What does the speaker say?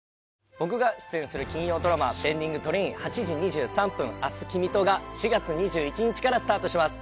僕が出演する金曜ドラマ「ＰｅｎｄｉｎｇＴｒａｉｎ」「８時２３分、明日君と」が４月２１日からスタートします